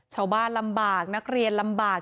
ชาวบ้านลำบากนักเรียนลำบาก